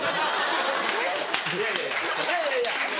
いやいやいや。